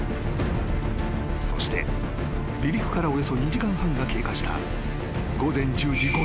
［そして離陸からおよそ２時間半が経過した］